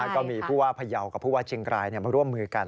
ก็มีผู้ว่าพยาวกับผู้ว่าเชียงรายมาร่วมมือกัน